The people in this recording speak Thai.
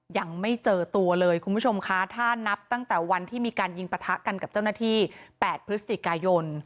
ยังไม่เจอตัวเลยคุณผู้ชมคะถ้านับตั้งแต่วันที่มีการยิงปะทะกันกับเจ้าหน้าที่๘พฤศจิกายน